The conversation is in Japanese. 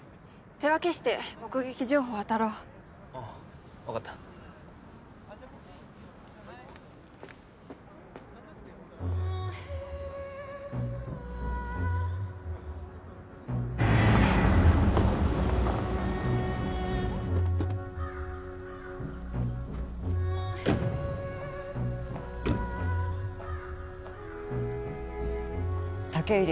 手分けして目撃情報当たろうああ分かった武入